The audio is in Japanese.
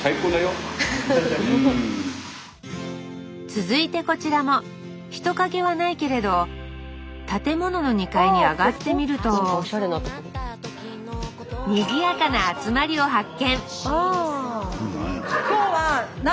続いてこちらも人影はないけれど建物の２階に上がってみるとにぎやかな集まりを発見！